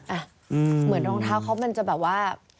เหมือนรองเท้าเขามันจะแบบว่า